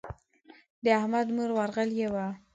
د احمد مور ورغلې وه.